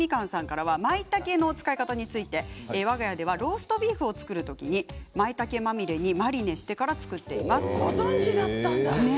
まいたけの使い方についてわが家ではローストビーフを作るときまいたけまみれにマリネしてから作りますということです。